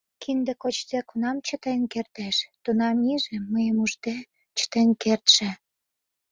— Кинде кочде, кунам чытен кертеш, тунам иже, мыйым ужде, чытен кертше!